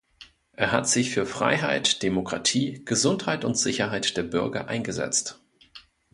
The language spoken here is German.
Er hat sich für Freiheit, Demokratie, Gesundheit und Sicherheit der Bürger eingesetzt.